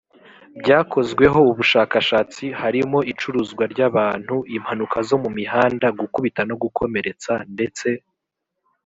byakozweho ubushakashatsi harimo icuruzwa ry abantu impanuka zo mu mihanda gukubita no gukomeretsa ndetse